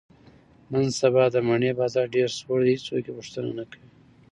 نن سبا د مڼې بازار ډېر سوړ دی، هېڅوک یې پوښتنه نه کوي.